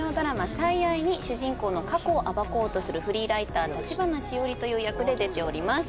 「最愛」に主人公の過去を暴こうとするフリーライター・橘しおりという役で出ております